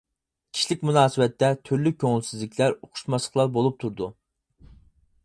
كىشىلىك مۇناسىۋەتتە تۈرلۈك كۆڭۈلسىزلىكلەر، ئۇقۇشماسلىقلار بولۇپ تۇرىدۇ.